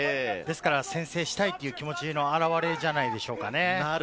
先制したいという気持ちの表れじゃないでしょうか。